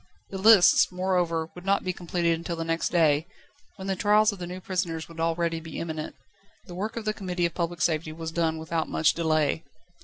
The lists, moreover, would not be completed until the next day, when the trials of the new prisoners would already be imminent. The work of the Committee of Public Safety was done without much delay.